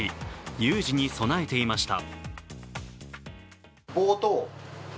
有事に備えていました。